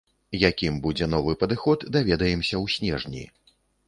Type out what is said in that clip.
Якім будзе новы падыход, даведаемся ў снежні.